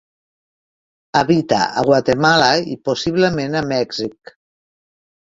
Habita a Guatemala i possiblement a Mèxic.